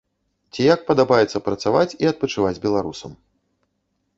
Ці як падабаецца працаваць і адпачываць беларусам.